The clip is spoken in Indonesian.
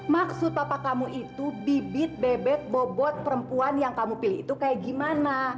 maksud papa kamu itu bibit bebek bobot perempuan yang kamu pilih itu kayak gimana